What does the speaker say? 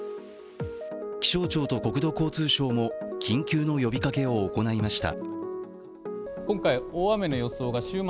気象庁と国土交通省も緊急の呼びかけを行いました。